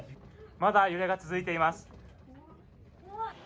まだ揺れが続いています。